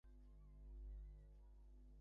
চুপ করে থাক না।